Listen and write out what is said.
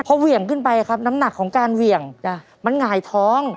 พอเหวี่ยงขึ้นไปครับน้ำหนักของการเหวี่ยงมันหงายท้อง